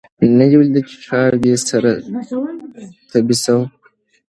نه دي ولیده چي ښار دي سره تبۍ سو